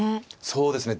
そうですね。